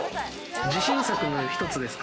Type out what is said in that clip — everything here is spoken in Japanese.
自信作の一つですか？